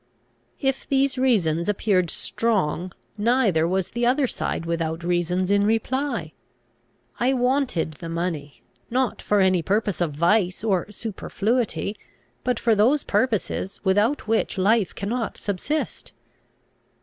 If these reasons appeared strong, neither was the other side without reasons in reply. I wanted the money: not for any purpose of vice or superfluity, but for those purposes without which life cannot subsist.